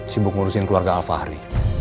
sibuk ngurusin keluarga alfahri